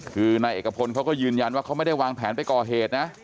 คือนายเอกพลเขาก็ยืนยันว่าเขาไม่ได้วางแผนไปก่อเหตุนะ